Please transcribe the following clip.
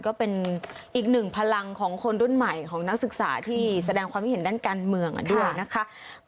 ก็เป็นอีกหนึ่งพลังของคนรุ่นใหม่ของนักศึกษาที่แสดงความคิดเห็นด้านการเมืองด้วยนะคะ